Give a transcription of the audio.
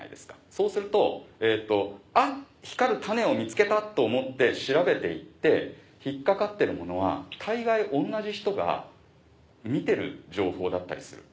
そうすると「あっ光るタネを見つけた」と思って調べて行って引っ掛かってるものは大概同じ人が見てる情報だったりする。